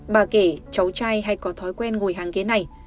bà kể cháu trai hay có thói quen ngồi hàng ghế này